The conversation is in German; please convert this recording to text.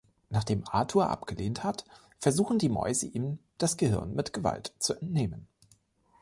Nachdem Arthur abgelehnt hat, versuchen die Mäuse, ihm das Gehirn mit Gewalt zu entnehmen.